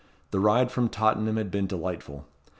The ride from Tottenham had been delightful.